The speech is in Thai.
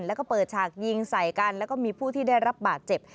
แล้วก็เปิดฉากยิงใส่กันแล้วก็มีผู้ที่ได้รับบาดเจ็บ